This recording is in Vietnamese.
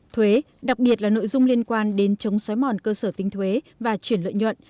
thuế đặc biệt là nội dung liên quan đến chống xói mòn cơ sở tinh thuế và chuyển lợi nhuận